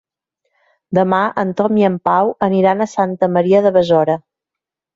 Demà en Tom i en Pau aniran a Santa Maria de Besora.